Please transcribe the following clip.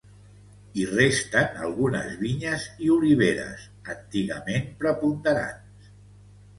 Hi resten algunes vinyes i oliveres, antigament preponderants.